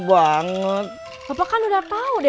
papa nggak ada bebep